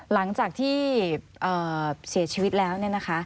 หลังจากที่เสียชีวิตแล้ว